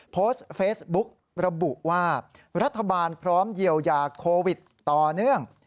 โพสต์เฟซบุ๊กระบุว่ารัฐบาลพร้อมเยียวยาโควิดต่อเนื่อง